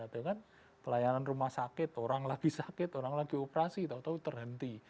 dengan pelayanan rumah sakit orang lagi sakit orang lagi operasi tau tau terhenti